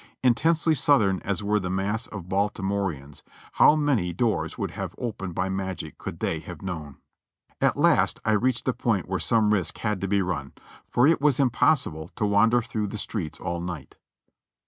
In tensely Southern as were the mass of Baltimoreans, how many doors would have opened by magic could they have known. At last I reached the point where some risk had to be run, for it was impossible to wander through the streets all night.